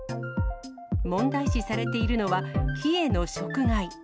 問題視されているのは、木への食害。